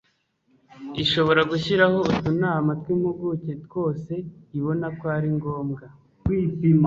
ishobora gushyiraho utunama tw'impuguke twose ibona ko ari ngombwa